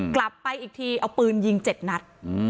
กลับไปอีกทีเอาปืนยิง๗นัด